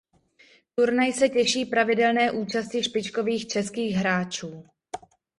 Turnaj se těší pravidelné účasti špičkových českých hráčů.